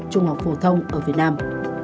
trung học phổ thông ở việt nam